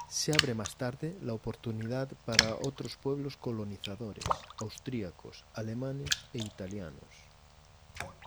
Se abre más tarde la oportunidad para otros pueblos colonizadores: austríacos, alemanes e italianos.